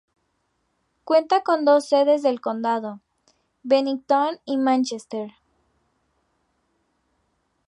Cuenta con dos sedes del condado, Bennington y Manchester.